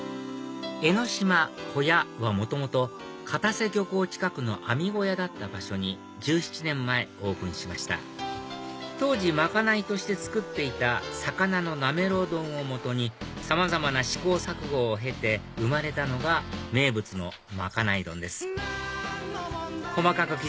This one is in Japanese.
江ノ島小屋は元々片瀬漁港近くの網小屋だった場所に１７年前オープンしました当時賄いとして作っていた魚のなめろう丼を基にさまざまな試行錯誤を経て生まれたのが名物のまかない丼です